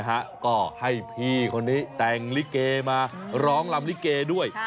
ก็ให้พี่คนนี้แต่งลิเกมาร้องลำลิเกด้วย